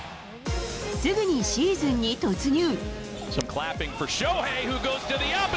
すぐにシーズンに突入。